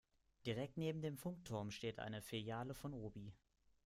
Direkt neben dem Funkturm steht eine Filiale von Obi.